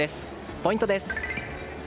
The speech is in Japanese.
ポイントです。